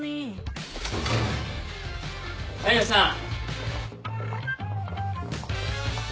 ・・大陽さん。